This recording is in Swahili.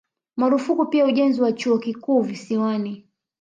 Marufuku pia ujenzi wa Chuo Kikuu Visiwani